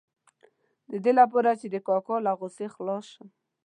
د دې لپاره چې د کاکا له غوسې خلاص شم.